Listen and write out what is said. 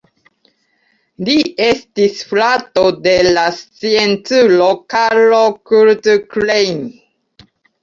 Li estis frato de la scienculo Karl Kurt Klein.